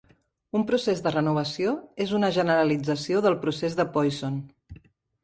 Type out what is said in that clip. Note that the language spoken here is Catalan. Un procés de renovació és una generalització del procés de Poisson.